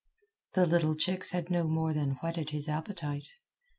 The little chicks had no more than whetted his appetite.